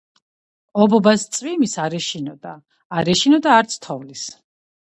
ობობას წვიმის არ ეშინოდა.არ ეშინოდა არც თოვლის.